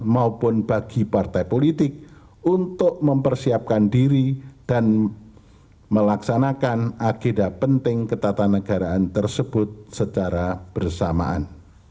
maupun bagi partai politik untuk mempersiapkan diri dan melaksanakan agenda penting ketatanegaraan tersebut secara bersamaan